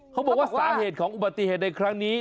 เขาบอกว่าสาเหตุของอุบัติเหตุในครั้งนี้